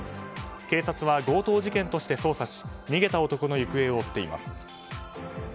警察は強盗事件として捜査し逃げた男の行方を追っています。